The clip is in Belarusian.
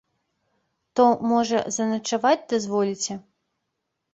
То, можа, заначаваць дазволіце?